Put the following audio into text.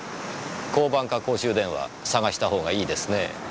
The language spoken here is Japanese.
交番か公衆電話探したほうがいいですね。